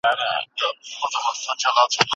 موږ باید له خپلو سپېڅلو وعدو څخه هېڅکله تېر نه شو.